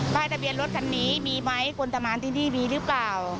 ป้ายตะเบียนรถคันนี้มีไหมคนตะมานที่นี่มีรึเปล่า